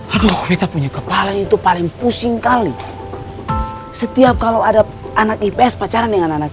aduh kita punya kepala itu paling pusing kali setiap kalau ada anak ips pacaran dengan anak